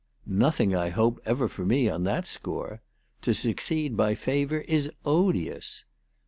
" Nothing, I hope, ever for me on that score. To succeed by favour is odious."